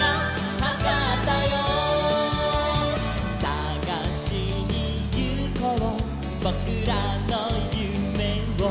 「さがしにゆこうぼくらのゆめを」